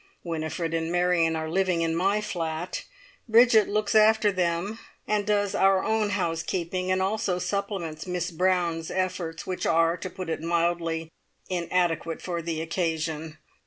Winifred and Marion are living in my flat; Bridget looks after them, and does our own housekeeping, and also supplements Miss Brown's efforts, which are, to put it mildly, inadequate for the occasion.